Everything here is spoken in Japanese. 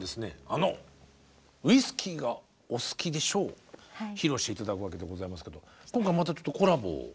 あの「ウィスキーが、お好きでしょ」を披露して頂くわけでございますけど今回またちょっとコラボを。